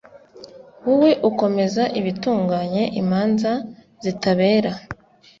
wowe ukomeza ibitunganye imanza zitabera